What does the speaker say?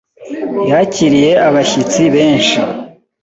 Yakiriye abashyitsi benshi.